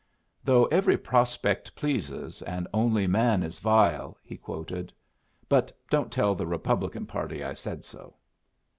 "'Though every prospect pleases, and only man is vile,'" he quoted. "But don't tell the Republican party I said so."